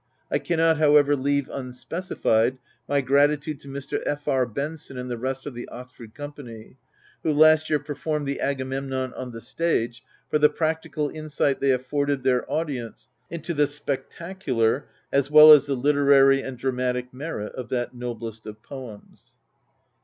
I cannot, however, leave unspecified my gratitude to Mr. F. R. Benson and the rest of the Oxford company, who last year performed the Agamemnon on the stage, for the practical insight they afforded their audience into the spectacular as well as the literary and dramatic merit of that noblest of poems.